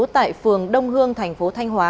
tại phường đông hương thành phố thanh hóa